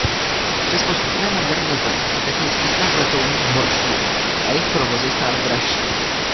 Přes postupné modernizace se technický stav letounů zhoršuje a jejich provoz je stále dražší.